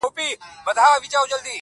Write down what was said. له یوه ښاخه تر بله په هوا سو،